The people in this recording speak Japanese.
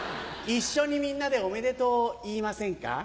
一緒にみんなでおめでとうを言いませんか？